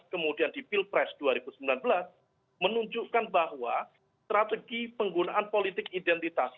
kemudian di pilpres dua ribu sembilan belas menunjukkan bahwa strategi penggunaan politik identitas